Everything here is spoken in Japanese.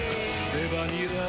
レバニラ